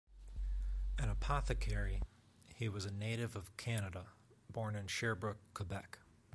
An apothecary, he was a native of Canada born in Sherbrooke, Quebec.